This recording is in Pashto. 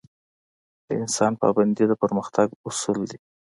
د اسلام پابندي د پرمختګ اصول دي